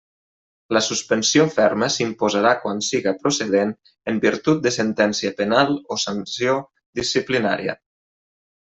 La suspensió ferma s'imposarà quan siga procedent en virtut de sentència penal o sanció disciplinària.